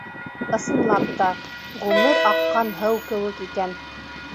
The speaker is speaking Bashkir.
Ысынлап та, ғүмер аҡҡан һыу кеүек икән.